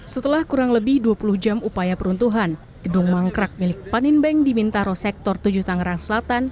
setelah kurang lebih dua puluh jam upaya peruntuhan gedung mangkrak milik panin bank di bintaro sektor tujuh tanggerang selatan